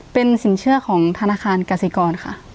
เป็นสินเชื่อของธนาคารกสิกรค่ะ